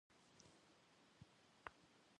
Vue maxue zıbjjaneç'e p'em xelhın xuêyş.